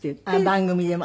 番組でも。